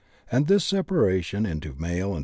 And tihis separation into male and.